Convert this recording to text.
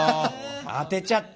当てちゃった。